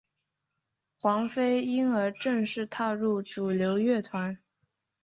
黄妃因而正式踏入主流乐坛。